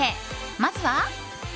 まずは。